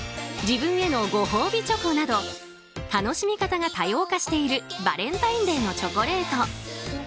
自分へのご褒美チョコなど楽しみ方が多様化しているバレンタインデーのチョコレート。